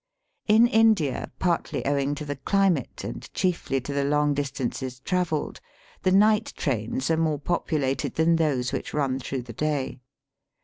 In India, partly owing to the climate, and chiefly to the long distances travelled, the night trains are more populated than those which run through the day.